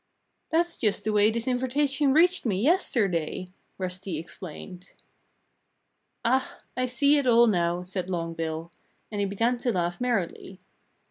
"That's just the way this invitation reached me yesterday!" Rusty explained. "Ah! I see it all now," said Long Bill. And he began to laugh merrily.